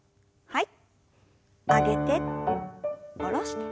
はい。